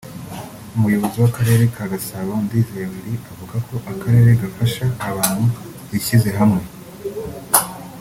Umuyobozi w’Akarere ka Gasabo Ndizeye Willy avuga ko akarere gafasha abantu bishyize hamwe